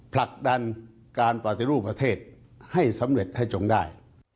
ผลักดันการปฏิรูปประเทศให้สำเร็จให้จงได้